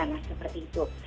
nah seperti itu